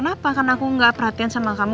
kenapa karena aku gak perhatian sama kamu